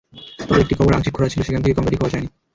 তবে একটি কবর আংশিক খোঁড়া ছিল, সেখান থেকে কঙ্কালটি খোয়া যায়নি।